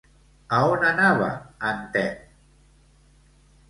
A on anava en Temme?